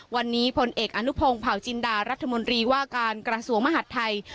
วันนี้พลเอกอนุพงศ์เผาจินดารัฐมนตรีว่าการกระทรวงมหัฐไทย